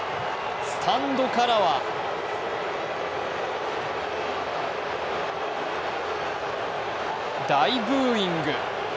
スタンドからは大ブーイング。